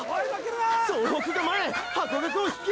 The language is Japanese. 総北が前ハコガクを引き離してる！！